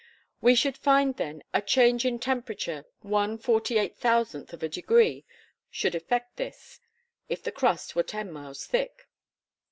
We should find then a change in temperature one forty eight thousandth of a degree should effect this, if the crust were ten miles thick.